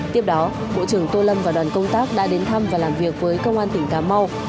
tiếp đó bộ trưởng tô lâm và đoàn công tác đã đến thăm và làm việc với công an tỉnh cà mau